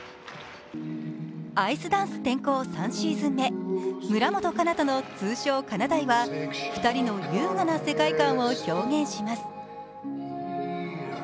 アイスダンス転向３シーズン目、村元哉中との、通称かなだいは２人の優雅な世界観を表現します。